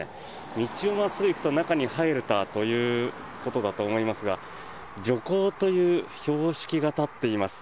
道を真っすぐ行くと中に入れたということだと思いますが徐行という標識が立っています。